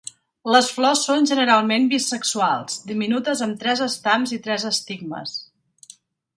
Les flors són generalment bisexuals, diminutes amb tres estams i tres estigmes.